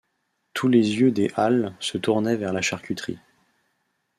Tous les yeux des Halles se tournaient vers la charcuterie.